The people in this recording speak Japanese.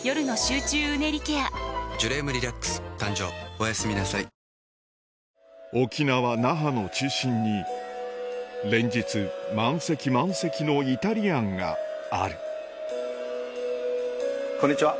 お前もあざす沖縄・那覇の中心に連日満席満席のイタリアンがあるこんにちは